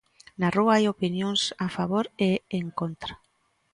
Na rúa hai opinións a favor e en contra.